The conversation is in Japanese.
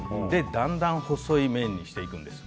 だんだん細い麺にしていくんです。